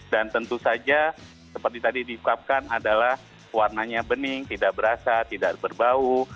tentu saja seperti tadi diucapkan adalah warnanya bening tidak berasa tidak berbau